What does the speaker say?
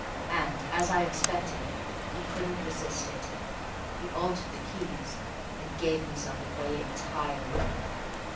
And, as I expected, he couldn't resist it. He altered the keys and gave himself away entirely."